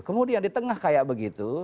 kemudian di tengah kayak begitu